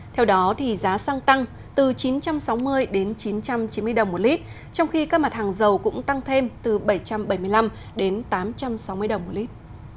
theo đó giá xăng tăng từ chín trăm sáu mươi đến chín trăm chín mươi đồng một lít trong khi các mặt hàng dầu cũng tăng thêm từ bảy trăm bảy mươi năm đến tám trăm sáu mươi đồng một lít